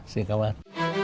xin cảm ơn